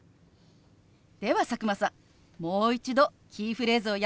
では佐久間さんもう一度キーフレーズをやってみましょう。